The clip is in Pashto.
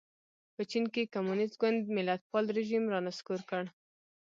په چین کې کمونېست ګوند ملتپال رژیم را نسکور کړ.